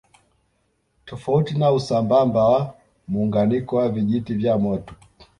Tofauti na usambamba wa muunganiko wa vijiti vya moto